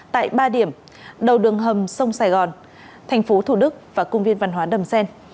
tại ba điểm đầu đường hầm sông sài gòn tp thủ đức và cung viên văn hóa đầm xen